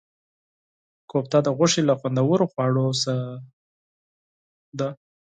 کوفته د غوښې له خوندورو خواړو څخه دی.